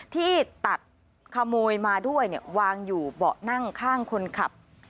ที่ตัดขโมยมาด้วยวางอยู่เบาะนั่งข้างคนขับ